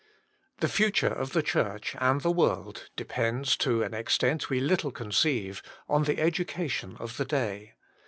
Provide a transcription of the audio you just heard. The future of the Church aud the world depends, to an extent we little conceive, on the education of the day.